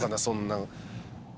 そんなん。